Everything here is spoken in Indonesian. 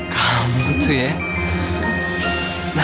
kamu tuh ya